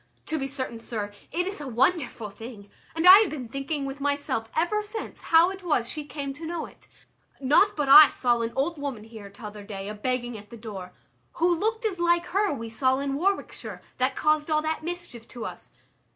To be certain, sir, it is a wonderful thing, and I have been thinking with myself ever since, how it was she came to know it; not but I saw an old woman here t'other day a begging at the door, who looked as like her we saw in Warwickshire, that caused all that mischief to us.